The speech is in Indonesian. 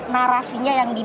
narasinya yang diberikan